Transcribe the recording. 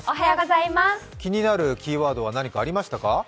気になるキーワードは何かありましたか？